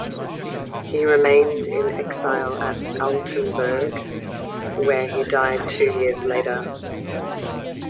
He remained in exile at Altenburg, where he died two years later.